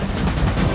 aku akan menang